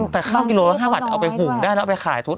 แต่ข้าวกิโลละ๕บาทจะเอาไปหุ่งได้แล้วเอาไปขายทุด